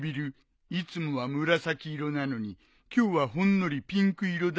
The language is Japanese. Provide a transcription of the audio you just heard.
いつもは紫色なのに今日はほんのりピンク色だなと思って。